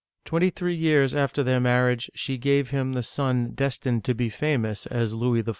Twenty three years after their marriage, she gave him the son destined to be famous as Louis XIV.